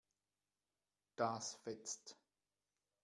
Das fetzt.